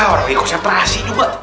orangnya kok siapa rahasia juga